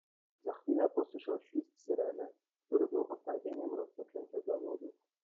"Za chwilę posłyszał świst syreny, który był oznajmieniem rozpoczęcia zawodów."